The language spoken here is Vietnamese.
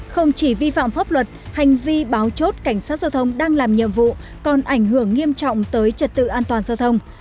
không chỉ vi phạm pháp luật hành vi báo chốt cảnh sát giao thông đang làm nhiệm vụ còn ảnh hưởng nghiêm trọng tới trật tự an toàn giao thông